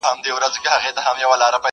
د زمانې دتوپانو په وړاندي وم لکه غر ,